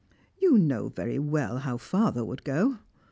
You know very well how father would go."